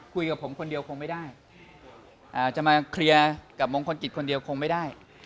คุยกับผมคนเดียวคงไม่ได้จะมาเคลียร์กับมงคลกิจคนเดียวคงไม่ได้